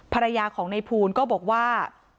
ภรรยาของในภูลก็บอกว่า